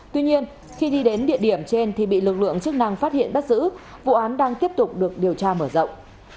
tuy nhiên khi đi đến địa điểm trên thì bị lực lượng chức năng phát hiện bắt giữ vụ án đang tiếp tục được điều tra mở rộng